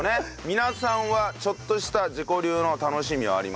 皆さんはちょっとした自己流の楽しみはありますか？